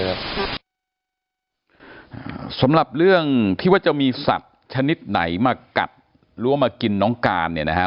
สำหรับเรื่องที่ว่าจะมีสัตว์ชนิดไหนมากัดหรือว่ามากินน้องการเนี่ยนะฮะ